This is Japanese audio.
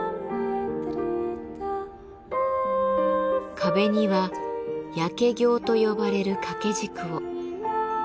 壁には「焼経」と呼ばれる掛け軸を。